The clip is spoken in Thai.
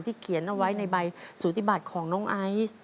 เขียนเอาไว้ในใบสูติบัติของน้องไอซ์